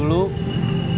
kan itu tugas kita